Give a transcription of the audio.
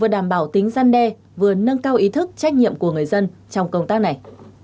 vừa đảm bảo tính gian đe vừa nâng cao ý thức trách nhiệm của người dân trong công tác này